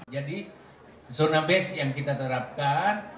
jadi zona base yang kita terapkan